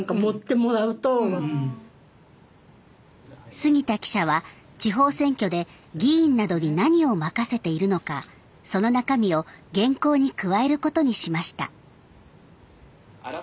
杉田記者は地方選挙で議員などに何を任せているのかその中身を原稿に加えることにしました。